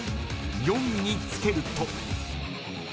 ４位につけると。